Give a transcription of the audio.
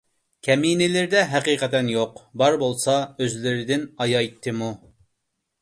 كەمىنىلىرىدە ھەقىقەتەن يوق، بار بولسا ئۆزلىرىدىن ئايايتىممۇ؟